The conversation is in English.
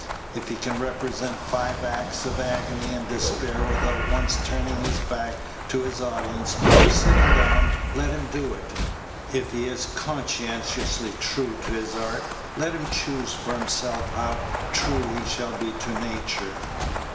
If he can represent five acts of agony and despair without once turning his back to his audience or sitting down, let him do it. If he is conscientiously true to his art, let him choose for himself how true he shall be to nature.